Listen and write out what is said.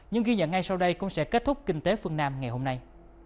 những ghi nhận ngay sau đây cũng sẽ kết thúc kinh tế phương nam ngày hôm nay